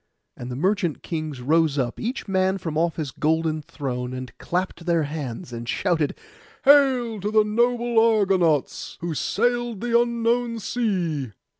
And the merchant kings rose up, each man from off his golden throne, and clapped their hands, and shouted, 'Hail to the noble Argonauts, who sailed the unknown sea!